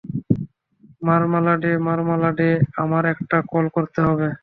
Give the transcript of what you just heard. মারমালাডে, মারমালাডে, আমার একটা কল করতে হবে।